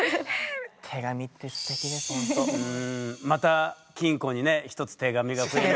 また金庫にね１つ手紙が増えて。